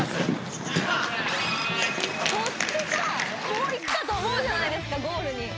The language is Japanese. こういったと思うじゃないですかゴールに。